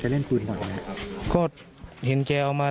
ยังมีอะไร